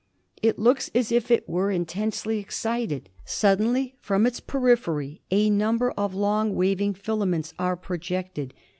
It looks as if it were in tensely excited. Sud denly from its periphery a number of long wav ing filaments are pro jected.